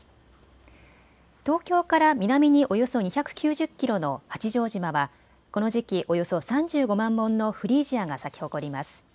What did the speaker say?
東京から南におよそ２９０キロの八丈島はこの時期およそ３５万本のフリージアが咲き誇ります。